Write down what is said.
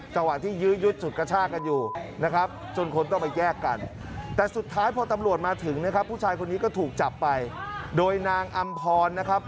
จังหวังที่ยืดฉุดกระชากันอยู่นะครับ